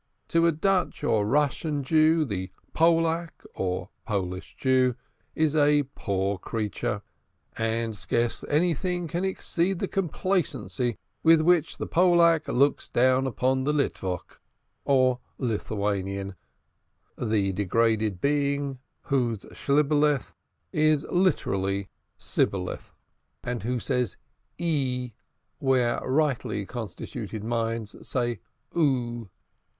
To a Dutch or Russian Jew, the "Pullack," or Polish Jew, is a poor creature; and scarce anything can exceed the complacency with which the "Pullack" looks down upon the "Litvok" or Lithuanian, the degraded being whose Shibboleth is literally Sibboleth, and who says "ee" where rightly constituted persons say "oo."